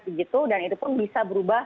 begitu dan itu pun bisa berubah